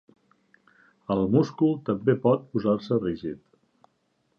El múscul també pot posar-se rígid.